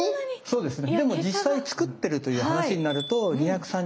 そうですね。